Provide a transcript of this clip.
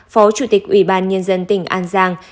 phó chủ tịch ubnd tỉnh an giang